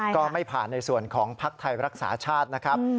ก็ไม่ผ่านในส่วนของภักดิ์ไทยรักษาชาตินะครับ